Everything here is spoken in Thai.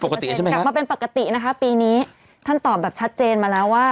กลับมาเป็นปกตินะคะปีนี้ท่านตอบแบบชัดเจนมาแล้วว่า